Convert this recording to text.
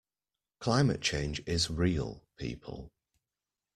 Climate change is real, people.